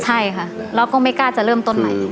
ใช่ค่ะเราก็ไม่กล้าจะเริ่มต้นใหม่